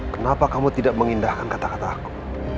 kenapa kamu tidak mengindahkan kata kata aku